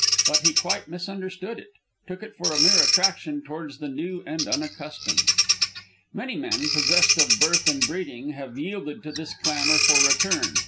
But he quite misunderstood it, took it for a mere attraction towards the new and unaccustomed. Many men, possessed of birth and breeding, have yielded to this clamor for return.